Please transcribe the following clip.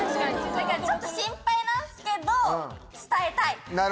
だからちょっと心配なんすけど伝えたい！